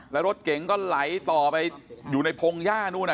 แล้วรถเก๋งก็ไหลต่อไปอยู่ในพงหญ้านู้น